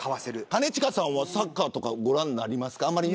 兼近さんはサッカーご覧になりますか。